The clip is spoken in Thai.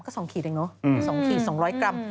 ก็๒ขีดเองเนอะ๒ขีด๒๐๐กรัม